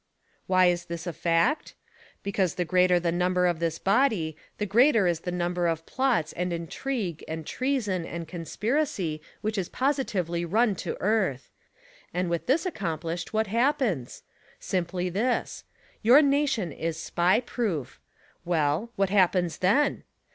Why is this a fact? Because the greater the number of this body the greater is the number of plots and intrigue and treason and conspiracy which is positively run to earth. And with this accom plished, what happens? Simply this. Your nation is Spy Proof. Well, what happens then?